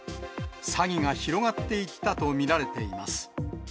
詐欺が広がっていったと見られています。